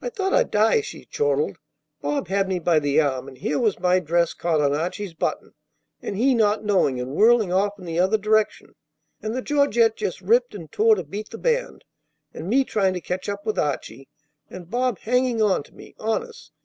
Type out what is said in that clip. "I thought I'd die!" she chortled. "Bob had me by the arm; and here was my dress caught on Archie's button, and he not knowing and whirling off in the other direction; and the georgette just ripped and tore to beat the band, and me trying to catch up with Archie, and Bob hanging on to me, honest.